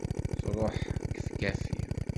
truḥ gefgafi!